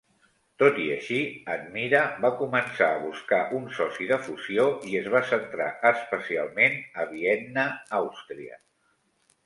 Tot i així, Admira va començar a buscar un soci de fusió i es va centrar especialment a Vienna, Austria.